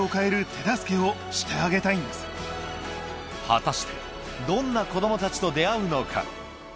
果たしてどんな子供たちと出会うのか？